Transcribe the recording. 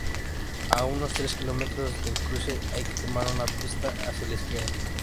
A unos tres kilómetros del cruce hay que tomar una pista hacia la izquierda.